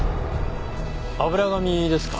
油紙ですか？